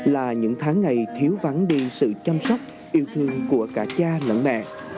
là những tháng ngày thiếu vắng đi sự chăm sóc yêu thương của cả cha lẫn mẹ